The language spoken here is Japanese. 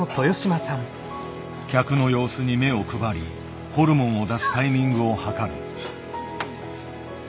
客の様子に目を配りホルモンを出すタイミングを計る。